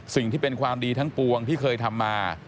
สิ่งที่เป็นความดีทั้งปวงที่เคยทำมา